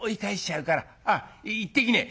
「行ってきねえ」。